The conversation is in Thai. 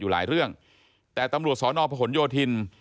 อยู่หลายเรื่องแต่ตำรวจสพโยธิน